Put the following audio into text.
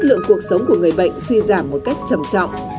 lượng cuộc sống của người bệnh suy giảm một cách trầm trọng